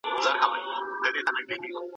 ایا ستا په مقاله کي کومه علمي تېروتنه سته؟